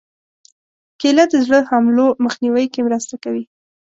کېله د زړه حملو مخنیوي کې مرسته کوي.